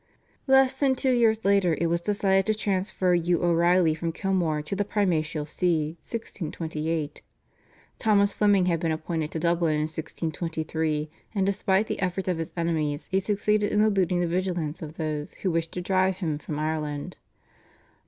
Less than two years later it was decided to transfer Hugh O'Reilly from Kilmore to the primatial See (1628). Thomas Fleming had been appointed to Dublin in 1623, and despite the efforts of his enemies he succeeded in eluding the vigilance of those who wished to drive him from Ireland.